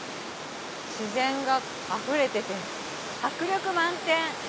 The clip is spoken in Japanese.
自然があふれてて迫力満点！